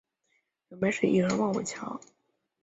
表妹是艺人万玮乔。